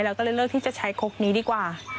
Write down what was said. เราก็เลยเลือกที่จะใช้คกนี้ดีกว่า